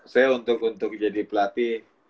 saya untuk jadi pelatih